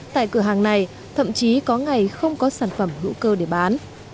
tại cửa hàng này thậm chí có ngày không có sản phẩm hữu cơ để bán